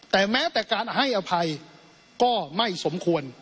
แต่แม้แต่การให้อภัยก็ไม่สมควร